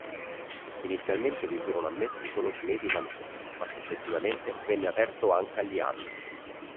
Inizialmente vi furono ammessi solo cinesi Manciù, ma successivamente venne aperto anche agli han.